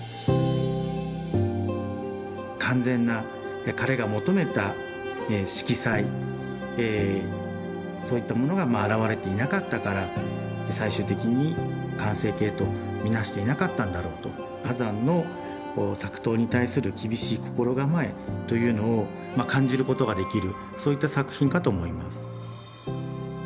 完全な彼が求めた色彩そういったものがあらわれていなかったから最終的に完成形と見なしていなかったんだろうと波山の作陶に対する厳しい心構えというのを感じることができるそういった作品かと思います。